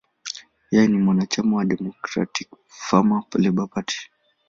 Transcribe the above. Yeye ni mwanachama wa Democratic–Farmer–Labor Party.